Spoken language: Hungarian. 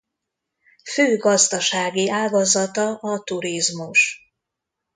Fő gazdasági ágazata a turizmus.